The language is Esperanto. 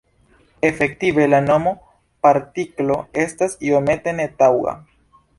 Efektive, la nomo "partiklo" estas iomete netaŭga.